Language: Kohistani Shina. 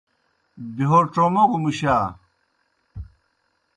بہیو ڇوموگوْ مُشا۔